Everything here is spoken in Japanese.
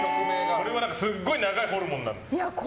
これもすごい長いホルモンなの。